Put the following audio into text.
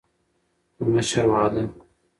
د مشر وعده